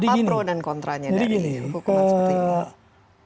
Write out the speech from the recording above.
apa pro dan kontranya dari hukuman seperti ini